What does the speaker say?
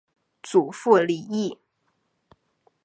祖父李毅。